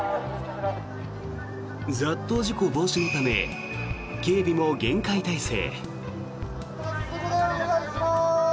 雑踏事故防止のため警備も厳戒態勢。